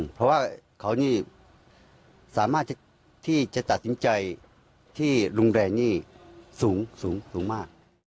เพราะว่าเขานี่สามารถที่จะตัดสินใจที่รุนแรงนี่สูงมาก